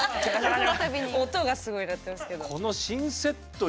音がすごい鳴ってますけど。